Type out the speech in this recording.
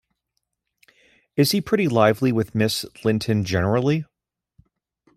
Is he pretty lively with Miss Linton generally?